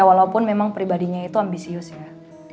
walaupun memang pribadinya itu ambisius ya